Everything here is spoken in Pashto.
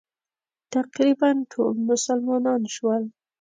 تقریباً ټول مسلمانان شول.